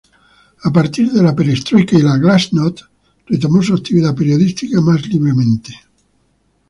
A partir de la Perestroika y la Glásnost, retomó su actividad periodística más libremente.